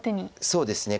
そうですね。